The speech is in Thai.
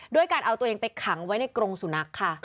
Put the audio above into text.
ด้วยการเอาตัวเองไปขังไว้ในกรงสุนัขค่ะ